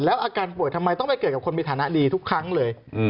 อาการป่วยทำไมต้องไปเกิดกับคนมีฐานะดีทุกครั้งเลย